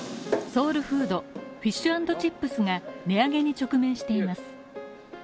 ソウルフードフィッシュ・アンド・チップスが値上げに直面しています。